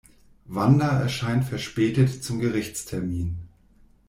Wanda erscheint verspätet zum Gerichtstermin.